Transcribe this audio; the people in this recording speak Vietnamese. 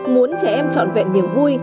muốn trẻ em trọn vẹn niềm vui